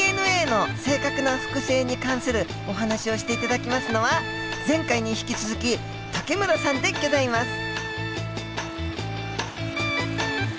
ＤＮＡの正確な複製に関するお話をして頂きますのは前回に引き続き武村さんでギョざいます。